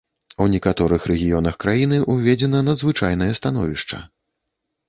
У некаторых рэгіёнах краіны ўведзена надзвычайнае становішча.